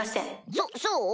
そそう？